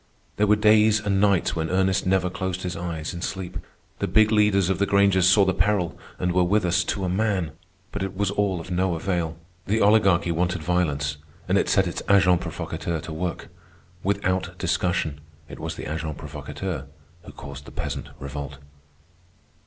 There were days and nights when Ernest never closed his eyes in sleep. The big leaders of the Grangers saw the peril and were with us to a man. But it was all of no avail. The Oligarchy wanted violence, and it set its agents provocateurs to work. Without discussion, it was the agents provocateurs who caused the Peasant Revolt.